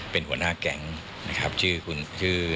เป็นหัวหน้าแก่งนะครับชื่อ